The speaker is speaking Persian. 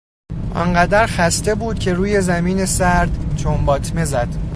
آنقدر خسته بود که روی زمین سرد چمباتمه زد.